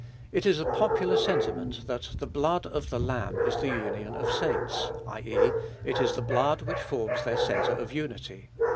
It is a popular sentiment, that "the blood of the Lamb is the union of saints," i. e., it is the blood which forms their centre of unity.